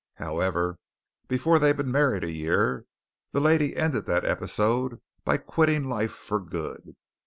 However, before they'd been married a year, the lady ended that episode by quitting life for good.